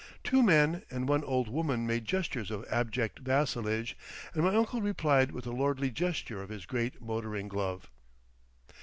Two men and one old woman made gestures of abject vassalage, and my uncle replied with a lordly gesture of his great motoring glove....